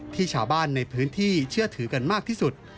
ที่ชาวบ้านในพื้นที่เชื่อถือกันมากที่สุด